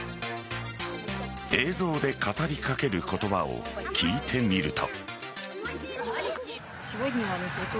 映像で語りかける言葉を聞いてみると。